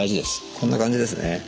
こんな感じですね。